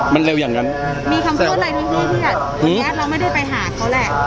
มันเร็วอย่างนั้นมีคำพูดอะไรที่พี่เครียดทีเนี้ยเราไม่ได้ไปหาเขาแหละ